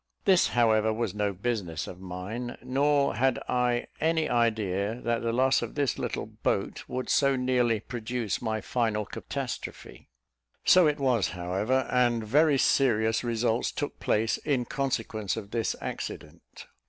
This, however, was no business of mine; nor had I any idea that the loss of this little boat would so nearly produce my final catastrophe; so it was, however, and very serious results took place in consequence of this accident.